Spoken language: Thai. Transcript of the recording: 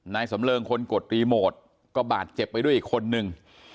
สำเริงคนกดรีโมทก็บาดเจ็บไปด้วยอีกคนนึง